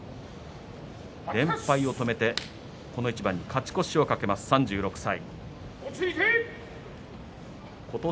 連敗を止めてこの一番に勝ち越しを懸けます、３６歳。